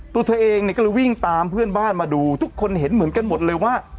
ตัวเธอเองเนี่ยก็เลยวิ่งตามเพื่อนบ้านมาดูทุกคนเห็นเหมือนกันหมดเลยว่า